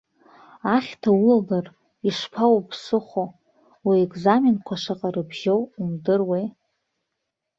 Ахьҭа улалар, ишԥоуԥсыхәо, уекзаменқәа шаҟа рыбжьоу умдыруеи.